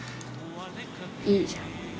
いいじゃん。